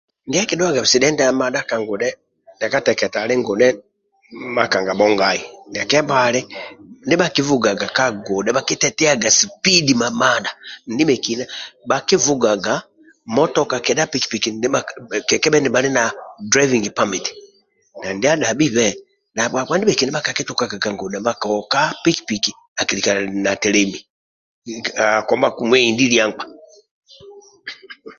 Ndia akidhuaga bisidenti amadha ka ngudhe ndia kateketa ali ngudhe makanga bhongai ndia kebhali ndibha kivugaga ka ngudhe bhakittiaga sipidi mamadha ndibhekina bhakivugaga motoka kedha piki piki ndibha kekebhe nibhali na dulaivingi pamiti ndibhetolo vhakaoka poki piki akilikqga na telemi akoma kumueindilia nkpa